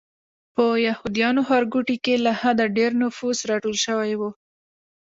په یهودیانو ښارګوټي کې له حده ډېر نفوس راټول شوی و.